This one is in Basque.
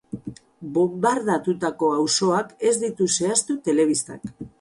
Bonbardatutako auzoak ez ditu zehaztu telebistak.